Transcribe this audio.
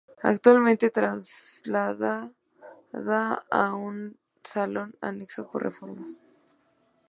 Actualmente trasladada a un salón anexo, por reformas.